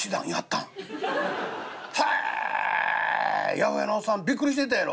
八百屋のおっさんびっくりしてたやろ？」。